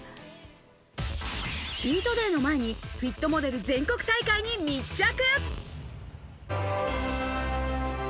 チートデイの前に、フィットモデル全国大会に密着。